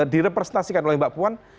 direpresentasikan oleh mbak puan